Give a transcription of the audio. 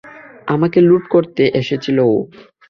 আমাকে লুট করতে এসেছিল ও।